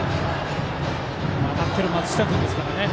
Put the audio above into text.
当たってる松下君ですからね。